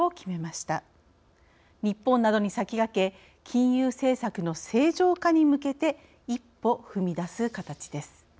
日本などに先駆け金融政策の正常化に向けて一歩踏み出す形です。